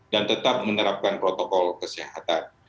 dan tetap menerapkan protokol kesehatan